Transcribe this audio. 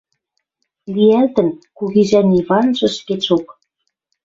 «...Лиӓлтӹн, кугижӓн Иванжӹ ӹшкетшок